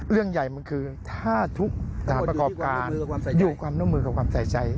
เรื่องใหญ่มันคือถ้าทุกสถานประกอบการอยู่ความร่วมมือกับความใส่ใจ